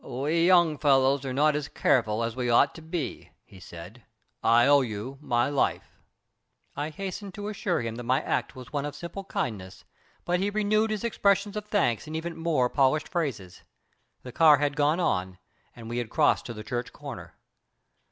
"We young fellows are not so careful as we ought to be," he said. "I owe you my life." I hastened to assure him that my act was one of simple kindness, but he renewed his expressions of thanks in even more polished phrases. The car had gone on and we had crossed to the church corner.